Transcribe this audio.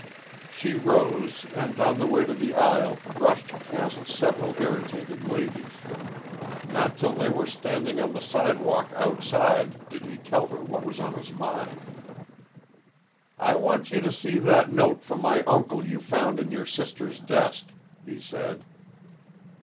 She rose, and on the way to the aisle brushed past several irritated ladies. Not till they were standing on the sidewalk outside did he tell her what was on his mind. "I want to see that note from my uncle you found in your sister's desk," he said.